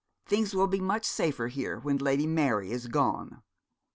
Things will be much safer here when Lady Mary is gone!'